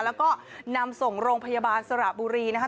แล้วก็นำส่งโรงพยาบาลสระบุรีนะคะ